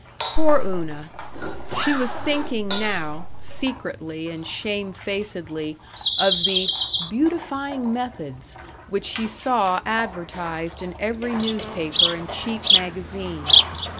Poor Una! She was thinking now, secretly and shamefacedly, of the "beautifying methods" which she saw advertised in every newspaper and cheap magazine.